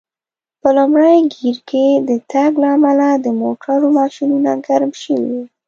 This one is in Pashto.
په لومړي ګېر کې د تګ له امله د موټرو ماشینونه ګرم شوي و.